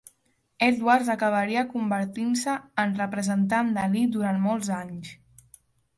Edwards acabaria convertint-se en representant de Lee durant molts anys.